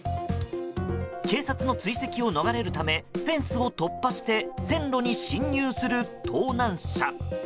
警察の追跡を逃れるためフェンスを突破して線路に進入する盗難車。